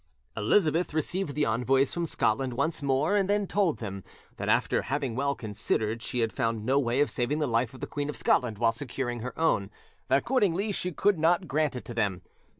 Elizabeth received the envoys from Scotland once more, and then told them— "That after having well considered, she had found no way of saving the life of the Queen of Scotland while securing her own, that accordingly she could not grant it to them".